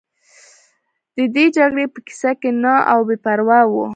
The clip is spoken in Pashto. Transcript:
دی د جګړې په کیسه کې نه و او بې پروا و